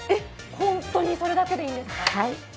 本当にそれだけでいいんですか？